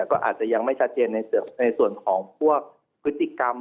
ก็อาจจะยังไม่ชัดเจนในส่วนของพวกพฤติกรรม